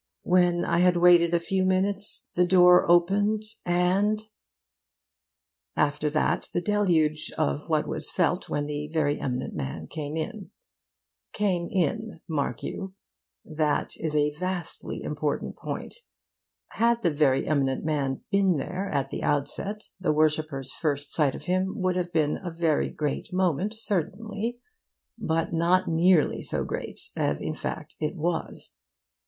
When I had waited a few minutes, the door opened and' after that the deluge of what was felt when the very eminent man came in. Came in, mark you. That is a vastly important point. Had the very eminent man been there at the outset, the worshipper's first sight of him would have been a very great moment, certainly; but not nearly so great as in fact it was.